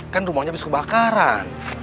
kan rumahnya habis kebakaran